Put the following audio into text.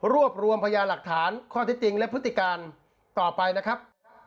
รวบรวมพยาหลักฐานข้อที่จริงและพฤติการต่อไปนะครับ